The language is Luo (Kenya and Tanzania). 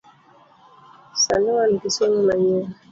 Sani wan gi somo manyien